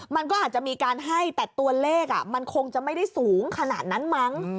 มันก็อาจจะมีการให้แต่ตัวเลขมันคงจะไม่ได้สูงขนาดนั้นมั้ง